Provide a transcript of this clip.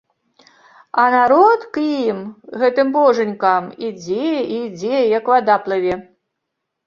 А народ к ім, гэтым божанькам, ідзе і ідзе, як вада плыве.